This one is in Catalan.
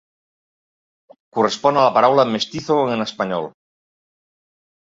Correspon a la paraula "mestizo" en espanyol.